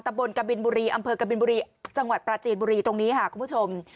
บนกบินบุรีอำเภอกบินบุรีจังหวัดปราจีนบุรีตรงนี้ค่ะคุณผู้ชม